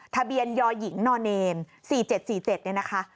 ทะเบียนยหญิงนเนม๔๗๔๗เนี่ยนะคะ